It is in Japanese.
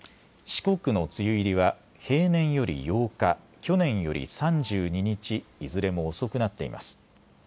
四国の梅雨入りは平年より８日、去年より３２日いずれも遅くなっています。